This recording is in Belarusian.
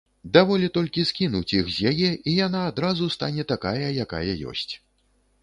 Даволі толькі скінуць іх з яе, і яна адразу стане такая, якая ёсць.